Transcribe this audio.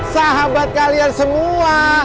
sahabat kalian semua